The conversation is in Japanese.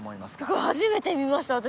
これ初めて見ました私。